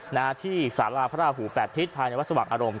หน้าที่สาราพระราหูแปดทิศภายในวัดสว่างอารมณ์